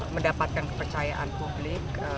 mendapatkan kepercayaan publik